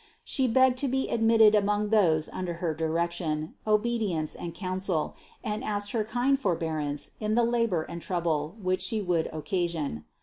She begged to be admitted among those under her direction, obedience and counsel, and asked her kind forbearance in the labor and trouble, which She would occasion.